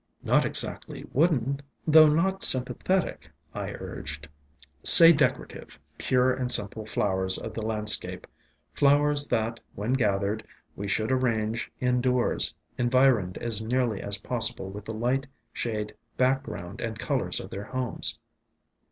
"Not exactly wooden, though not sympathetic," I urged. "Say decorative, pure and simple flowers of the landscape; flowers that, when gathered, we should arrange indoors, environed as nearly as possi ble with the light, shade, background and colors of their homes.